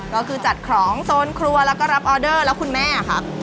ก็คือจัดของโซนครัวแล้วก็รับออเดอร์แล้วคุณแม่ครับ